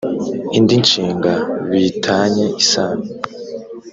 indi nshinga bi tanye isano